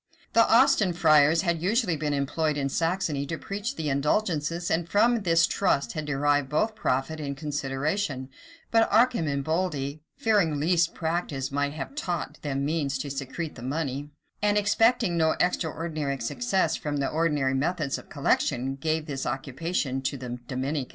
[] The Austin friars had usually been employed in Saxony to preach the indulgences, and from this trust had derived both profit and consideration: but Arcemboldi, fearing lest practice might have taught them means to secrete the money,[] and expecting no extraordinary success from the ordinary methods of collection, gave this occupation to the Dominicans.